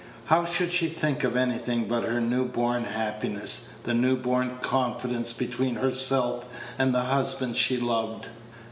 How should she think of anything but her newborn happiness the newborn confidence between herself and the husband she loved?